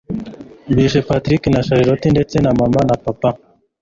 bishe patrick na charlotte ndetse na mama na papa